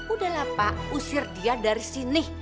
udahlah pak usir dia dari sini